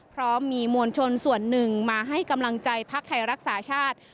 พร้อมมีมวลชนส่วนหนึ่งมาให้กำลังใจพักไทยรักษาชาติ